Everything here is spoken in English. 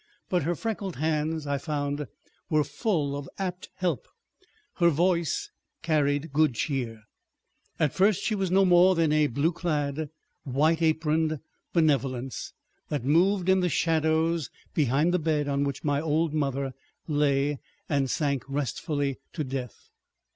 But her freckled hands I found, were full of apt help, her voice carried good cheer. ... At first she was no more than a blue clad, white aproned benevolence, that moved in the shadows behind the bed on which my old mother lay and sank restfully to death.